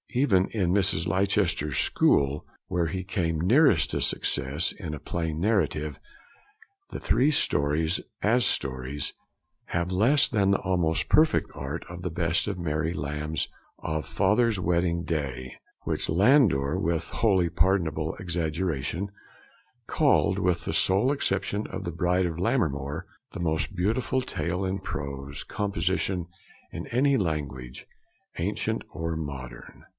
Even in Mrs. Leicester's School, where he came nearest to success in a plain narrative, the three stories, as stories, have less than the almost perfect art of the best of Mary Lamb's: of Father's Wedding Day, which Landor, with wholly pardonable exaggeration, called 'with the sole exception of the Bride of Lammermoor, the most beautiful tale in prose composition in any language, ancient or modern.'